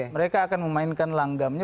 mereka akan memainkan langgamnya